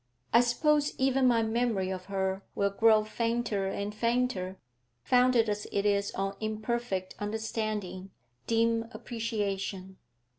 I suppose even my memory of her will grow fainter and fainter, founded as it is on imperfect understanding, dim appreciation.